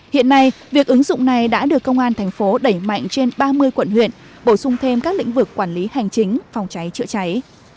hiện nay việc ứng dụng này đã được công an thành phố đẩy mạnh trên ba mươi quận huyện bổ sung thêm các lĩnh vực quản lý hành chính phòng cháy chữa cháy